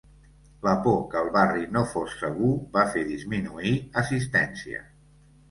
La por que el barri no fos segur va fer disminuir assistència.